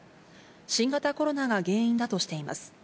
新型コロナが原因だとしています。